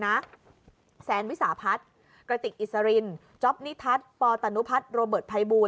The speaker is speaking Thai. แซนวิสาพัฒน์กระติกอิสรินจ๊อปนิทัศน์ปตนุพัฒน์โรเบิร์ตภัยบูล